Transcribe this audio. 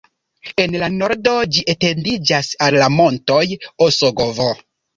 En la nordo ĝi etendiĝas al la montoj Osogovo.